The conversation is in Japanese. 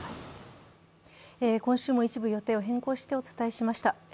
今週も一部予定を変更してお伝えしました。